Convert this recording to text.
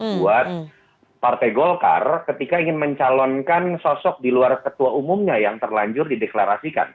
buat partai golkar ketika ingin mencalonkan sosok di luar ketua umumnya yang terlanjur dideklarasikan